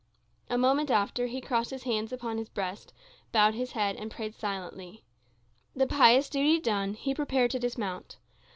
A moment after, he crossed his hands upon his breast, bowed his head, and prayed silently. The pious duty done, he prepared to dismount.